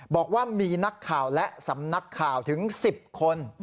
บอกว่ามีนักข่าวและสำนักข่าวถึง๑๐คน